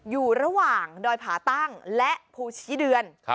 อยู่ระหว่างดอยผาตั้งและภูชีเดือน